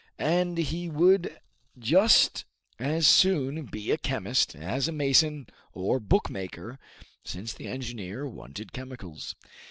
And he would just as soon be a chemist as a mason or bootmaker, since the engineer wanted chemicals.